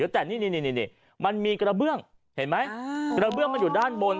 แต่นี่มันมีกระเบื้องเห็นไหมกระเบื้องมันอยู่ด้านบน